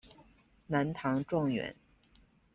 南唐状元。